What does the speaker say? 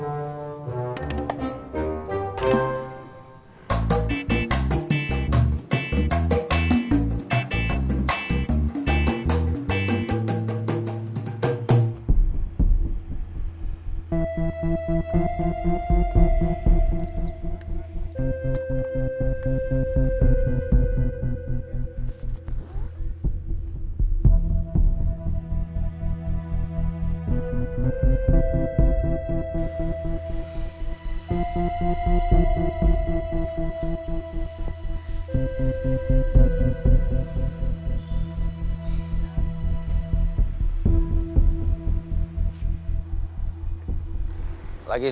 oh jangan bahkan aku